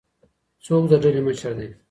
څوک د ډلي مشر دی؟